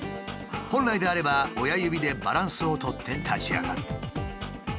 本来であれば親指でバランスを取って立ち上がる。